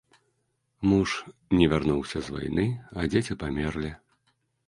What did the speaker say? Муж не вярнуўся з вайны, а дзеці памерлі.